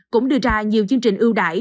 cũng đưa ra nhiều chương trình ưu đại